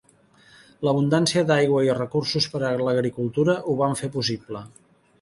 L'abundància d'aigua i recursos per a l'agricultura ho van fer possible.